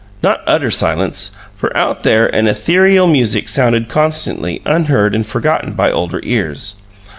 Not utter silence, for out there an ethereal music sounded constantly, unheard and forgotten by older ears.